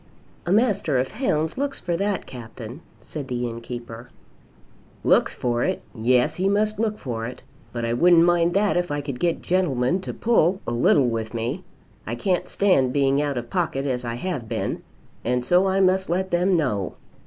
"A Master of Hounds looks for that, Captain," said the innkeeper. "Looks for it! Yes; he must look for it. But I wouldn't mind that, if I could get gentlemen to pull a little with me. I can't stand being out of pocket as I have been, and so I must let them know.